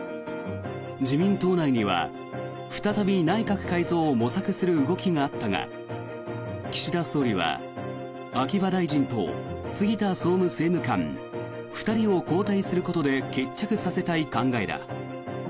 自民党内には再び内閣改造を模索する動きがあったが岸田総理は秋葉大臣と杉田総務政務官２人を交代することで決着させたい考えだ。